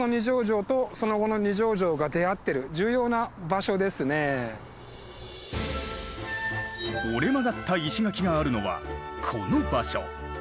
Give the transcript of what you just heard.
ご覧頂くと折れ曲がった石垣があるのはこの場所。